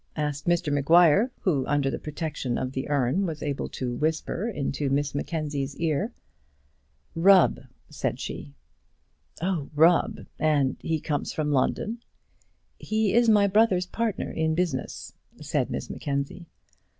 asked Mr Maguire, who, under the protection of the urn, was able to whisper into Miss Mackenzie's ear. "Rubb," said she. "Oh, Rubb; and he comes from London?" "He is my brother's partner in business," said Miss Mackenzie.